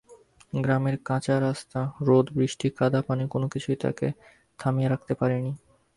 গ্রামের কাঁচা রাস্তা, রোদ, বৃষ্টি, কাদা, পানি—কোনো কিছুই তাঁকে থামিয়ে রাখতে পারেনি।